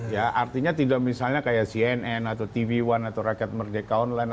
ya artinya tidak misalnya kayak cnn atau tv one atau rakyat merdeka online